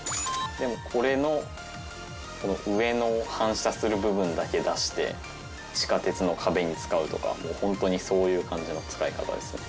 これのこの上の反射する部分だけ出して地下鉄の壁に使うとかホントにそういう感じの使い方ですね。